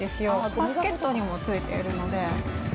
バスケットにもついてるので。